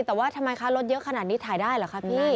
แต่ว่าทำไมคะรถเยอะขนาดนี้ถ่ายได้เหรอคะพี่